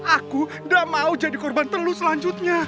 aku gak mau jadi korban telu selanjutnya